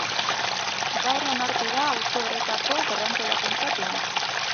Gaur onartu da auzo horretako berrantolakuntza plana.